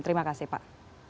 terima kasih pak